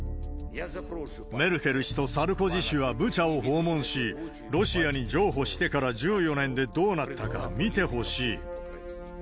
メルケル氏とサルコジ氏はブチャを訪問し、ロシアに譲歩してから１４年でどうなったか見てほしい。